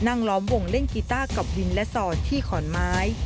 ล้อมวงเล่นกีต้ากับวินและสอดที่ขอนไม้